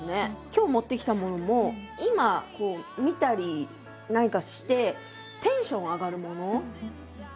今日持ってきたものも今見たりなんかしてテンションが上がるものなので。